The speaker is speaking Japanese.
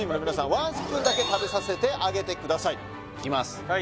ワンスプーンだけ食べさせてあげてくださいいきます